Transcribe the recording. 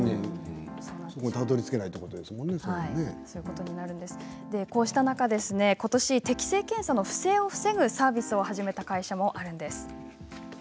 たどりつけないということでこうした中ことし適性検査の不正を防ぐサービスを始めた会社があるんです。